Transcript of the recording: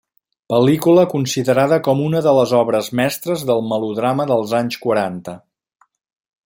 Pel·lícula considerada com una de les obres mestres del melodrama dels anys quaranta.